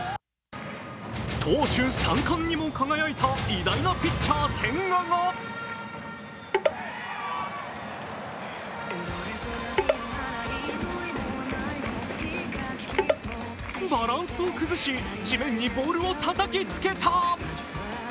投手三冠にも輝いた偉大なピッチャー・千賀がバランスを崩し、地面にボールをたたきつけた。